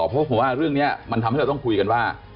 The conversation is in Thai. เพราะผมว่าเรื่องนี้มันทำให้เราต้องคุยกันว่า